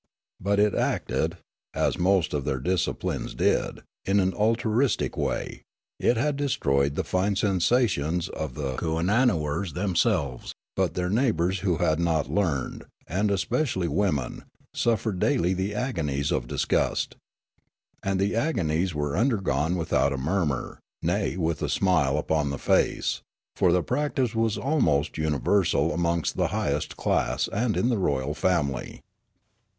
But it acted, as most of their disciplines did, in an altruistic way ; it had destroyed the fine sensations of the kooannooers themselves ; but their neighbours, who had not learned, and especially women, suffered daih' the agonies of disgust. And the agonies were undergone without a murmur, nay, with a smile upon the face, for the practice was almost universal amongst the highest class and in the royal family.